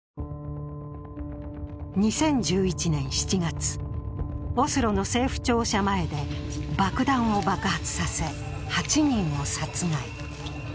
２０１１年７月、オスロの政府庁舎前で爆弾を爆発させ８人を殺害。